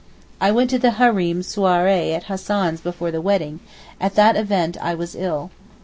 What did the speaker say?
I went to the Hareem soirée at Hassan's before the wedding—at that event I was ill.